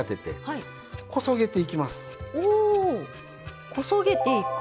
おこそげていく。